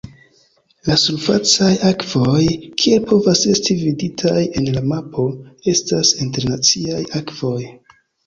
La surfacaj akvoj, kiel povas esti viditaj en la mapo, estas internaciaj akvoj.